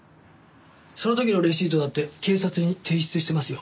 その時のレシートだって警察に提出してますよ。